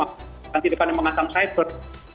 atau antirikan yang mengasang cyber